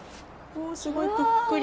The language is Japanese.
おすごいぷっくり。